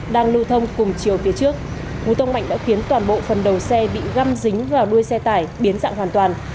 đang lưu thông cùng chiều phía trước hú tông mạnh đã khiến toàn bộ phần đầu xe bị găm dính vào đuôi xe tải biến dạng hoàn toàn